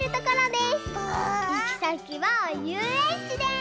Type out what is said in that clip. いきさきはゆうえんちです！